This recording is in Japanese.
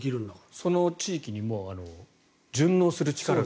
その地域に順応する力が。